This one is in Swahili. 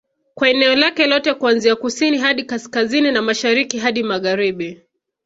Kwa eneo lake lote kuanzia kusini hadi kaskazini na Mashariki hadi Magharibi